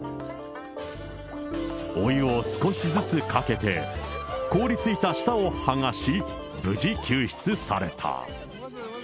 お湯を少しずつかけて、凍りついた舌を剥がし、無事救出された。